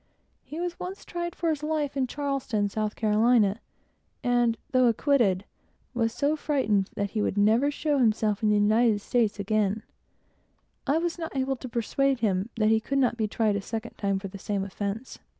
He was once tried for his life in Charleston, South Carolina, and though acquitted, yet he was so frightened that he never would show himself in the United States again; and I could not persuade him that he could never be tried a second time for the same offence.